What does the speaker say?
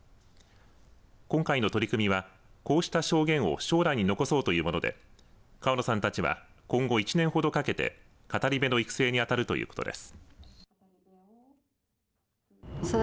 今回の取り組みはこうした証言を将来に残そうというもので川野さんたちは今後１年ほどかけて語り部の育成に当たるということです。